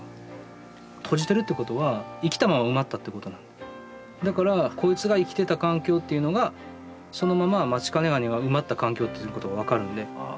閉じてるってことはだからこいつが生きてた環境っていうのがそのままマチカネワニが埋まった環境ということが分かるので。